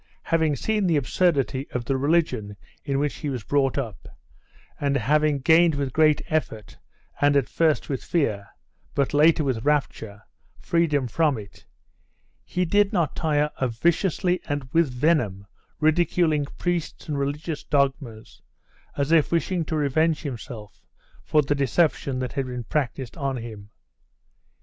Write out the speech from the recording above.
Having seen the absurdity of the religion in which he was brought up, and having gained with great effort, and at first with fear, but later with rapture, freedom from it, he did not tire of viciously and with venom ridiculing priests and religious dogmas, as if wishing to revenge himself for the deception that had been practised on him.